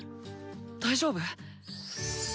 大丈夫？」。